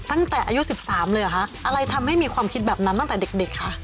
อะไรทำให้มีความคิดแบบนั้นตั้งแต่เด็กคะ